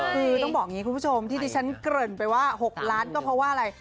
คือต้องบอกอย่างนี้คุณผู้ชมที่ดิฉันเกริ่นไปว่า๖ล้านก็เพราะว่าอะไร